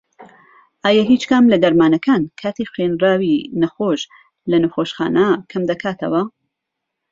ئایا هیچ کام لە دەرمانەکان کاتی خەوێنراوی نەخۆش لە نەخۆشخانە کەمدەکاتەوە؟